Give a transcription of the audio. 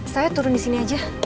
saya turun di sini aja